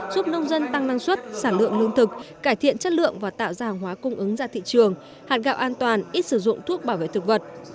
giúp nông dân tăng năng suất sản lượng lương thực cải thiện chất lượng và tạo ra hàng hóa cung ứng ra thị trường hạn gạo an toàn ít sử dụng thuốc bảo vệ thực vật